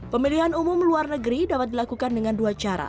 pemilihan umum luar negeri dapat dilakukan dengan dua cara